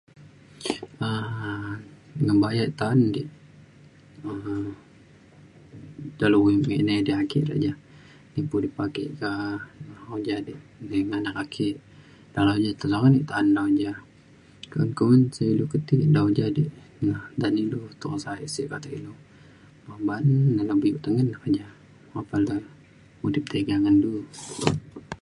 um ngebayak ta’an di um dalau ame ni di ri ke ja [unintelligible] ka ujak di anak ake dalau ini [unintelligible] ta’an dau ja un kumbin sek ilu ke ti dau ja di na. nta na ilu tusa sek kata ilu. ba’an bio tengen ke ja apan le udip tiga ngan du.